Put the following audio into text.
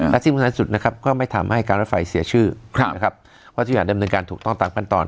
และที่สุดนะครับก็ไม่ทำให้การรถไฟเสียชื่อครับนะครับว่าที่อย่างเดิมดึงกันถูกต้องตามกันตอน